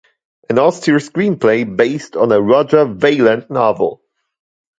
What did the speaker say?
An austere screenplay based on a Roger Vailland novel.